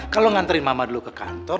kalau ngantarin mama dulu ke kantor mama